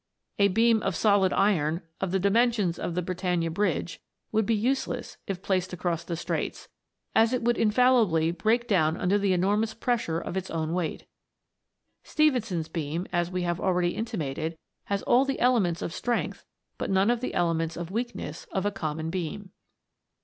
A beam of solid iron, of the dimensions of the Bri tannia Bridge, would be useless if placed across the Straits, as it would infallibly break down under the enormous pressure of its own weight. Stephenson's beam, as we have already intimated, has all the elements of strength, but none of the elements of weakness of a common beam.